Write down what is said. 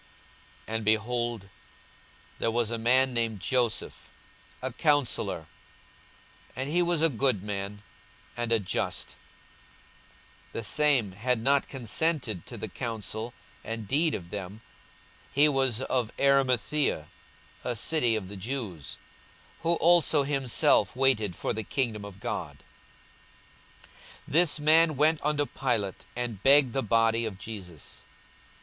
42:023:050 And, behold, there was a man named Joseph, a counsellor; and he was a good man, and a just: 42:023:051 (The same had not consented to the counsel and deed of them;) he was of Arimathaea, a city of the Jews: who also himself waited for the kingdom of God. 42:023:052 This man went unto Pilate, and begged the body of Jesus.